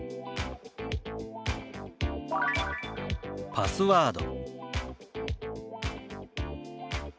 「パスワード」。